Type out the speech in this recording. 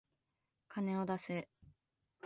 金を出せ。